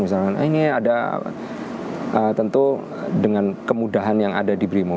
nah ini ada tentu dengan kemudahan yang ada di brimo